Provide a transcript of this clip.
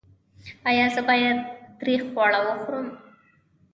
ایا زه باید تریخ خواړه وخورم؟